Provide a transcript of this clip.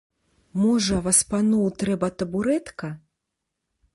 Можа, васпану трэба табурэтка?